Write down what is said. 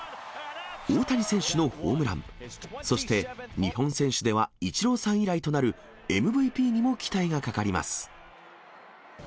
大谷選手のホームラン、そして日本選手ではイチローさん以来となるＭＶＰにも期待がかかります。